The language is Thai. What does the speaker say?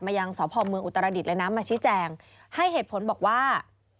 มายังสมอุตรดิษฐ์และน้ำมชี้แจงให้เหตุผลบอกว่า